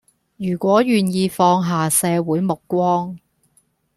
如果願意放下社會目光